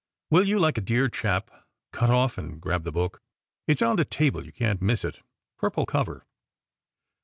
Will you, like a dear chap, cut off and grab the book? It s on the table; you can t miss it; purple cover."